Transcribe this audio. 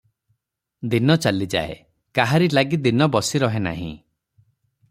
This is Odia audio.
ଦିନ ଚାଲିଯାଏ, କାହାରି ଲାଗି ଦିନ ବସି ରହେ ନାହିଁ।